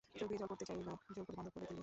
চোখ দিয়ে জল পড়তে চাইল, জোর করে বন্ধ করে দিলে।